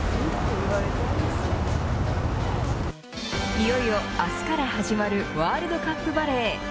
いよいよ明日から始まるワールドカップバレー。